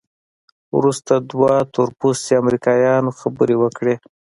وروسته دوه تورپوستي امریکایان خبرې وکړې.